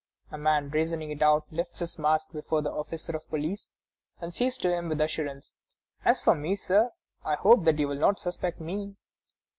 A man, brazening it out, lifts his mask before the officer of police, and says to him with assurance, "As for me, sir, I hope that you will not suspect me."